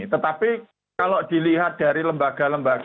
tetapi kalau dilihat dari lembaga lembaga